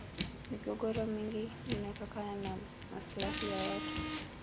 migogoro mingi inatokana na maslahi ya watu